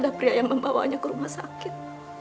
ada pria yang membawanya ke rumah sakit